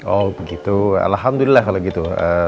oh begitu alhamdulillah kalau gitu